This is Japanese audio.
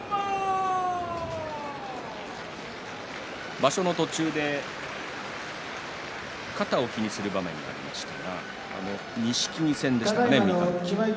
場所の途中で肩を気にする場面がありましたが錦木戦でしたかね。